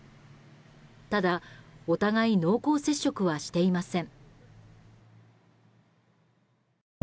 ただ、お互い濃厚接触はしていません。